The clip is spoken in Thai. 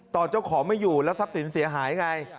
เจ้าของไม่อยู่แล้วทรัพย์สินเสียหายไง